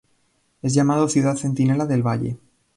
Es llamado "Ciudad Centinela del Valle".